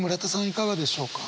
いかがでしょうか？